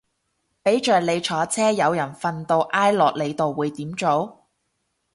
俾着你坐車有人瞓到挨落你度會點做